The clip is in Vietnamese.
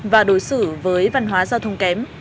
và đối xử với văn hóa giao thông kém